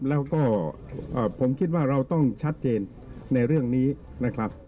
แล้วก็ผมคิดว่าเราต้องชัดเจนในเรื่องนี้นะครับ